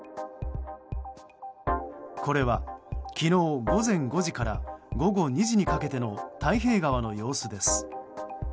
これは昨日午前５時から午後２時にかけての太平川の様子です。